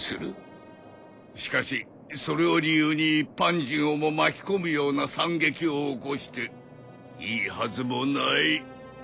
しかしそれを理由に一般人をも巻き込むような惨劇を起こしていいはずもない。